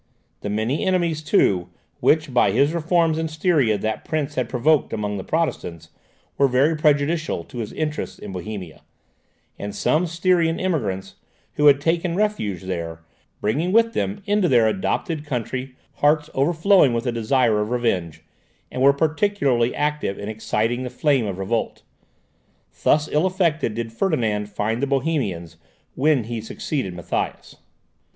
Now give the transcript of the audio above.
The many enemies, too, which by his reforms in Styria that prince had provoked among the Protestants, were very prejudicial to his interests in Bohemia; and some Styrian emigrants, who had taken refuge there, bringing with them into their adopted country hearts overflowing with a desire of revenge, were particularly active in exciting the flame of revolt. Thus ill affected did Ferdinand find the Bohemians, when he succeeded Matthias.